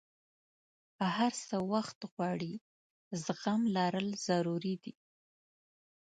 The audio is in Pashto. هر څه وخت غواړي، زغم لرل ضروري دي.